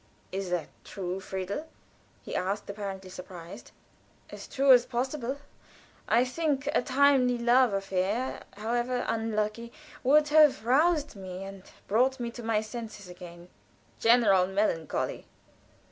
"Is that true, Friedel?" he asked, apparently surprised. "As true as possible. I think a timely love affair, however unlucky, would have roused me and brought me to my senses again." "General melancholy?"